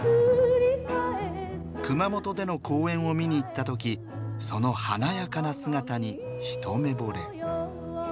熊本での公演を見に行った時その華やかな姿に一目ぼれ。